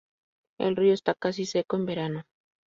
El río está casi seco en verano.